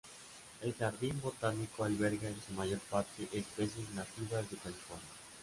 El jardín botánico alberga en su mayor parte especies nativas de California.